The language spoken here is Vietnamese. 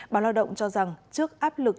báo lao động cho rằng trước áp lực